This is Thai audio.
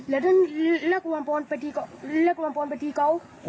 และนึกลากวังพลไปดีเกาะ